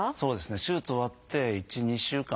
手術終わって１２週間ですね。